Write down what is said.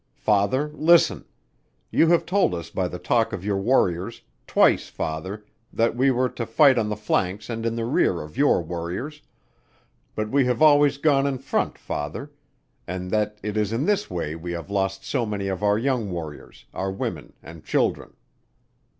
"Father Listen. You have told us by the talk of your Warriors, twice Father, that we were to fight on the flanks and in the rear of your Warriors, but we have always gone in front Father; and that it is in this way we have lost so many of our young Warriors, our women and children.